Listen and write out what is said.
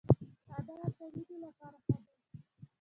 انار د وینې لپاره ښه دی